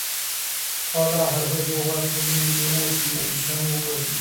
爆炸还会破坏附近之物体与生物个体。